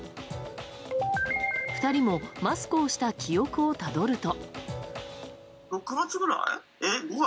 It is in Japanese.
２人もマスクをした記憶をたどると。